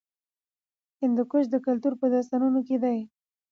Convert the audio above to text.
هندوکش د کلتور په داستانونو کې دی.